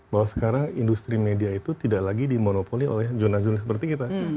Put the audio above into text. bahwa sekarang industri media itu tidak lagi dimonopoli oleh zona zona seperti kita